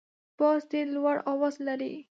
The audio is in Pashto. باز ډیر لوړ اواز لري